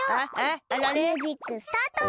ミュージックスタート！